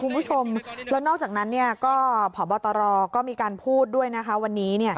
คุณผู้ชมแล้วนอกจากนั้นก็พบตรก็มีการพูดด้วยนะคะวันนี้